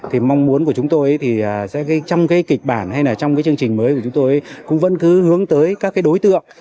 thì mong muốn của chúng tôi thì trong cái kịch bản hay là trong cái chương trình mới của chúng tôi cũng vẫn cứ hướng tới các cái đối tượng